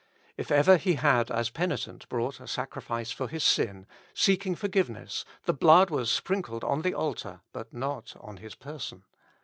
If ever he had as a penitent brought a sacrifice for his sin, seeking forgiveness the blood was sprinkled on the altar, but not on his person.